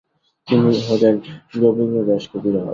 তিনি হলেন গোবিন্দদাস কবিরাজ।